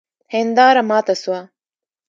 هنداره ماته سوه